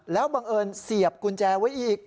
แล้วบังเอิญเสียบกุญแจไว้อีก